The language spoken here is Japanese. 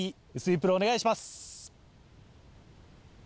プロお願いします。